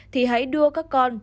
thì hãy đưa các con